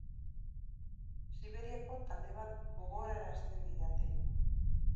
Siberiako talde bat gogorarazten didate.